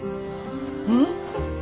うん。